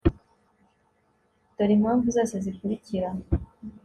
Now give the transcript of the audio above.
dore impamvu zose zikurikira